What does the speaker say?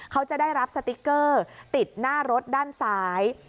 เขาจะได้รับสติ๊กเกอร์ติดหน้ารถด้านซ้าย